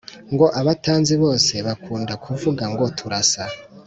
Ngo abatanzi bose bakunda kuvuga ngo turasa